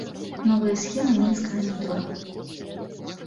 Новая схема мінскага метро.